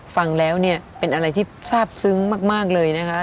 ฟังแล้วเนี่ยเป็นอะไรที่ทราบซึ้งมากเลยนะคะ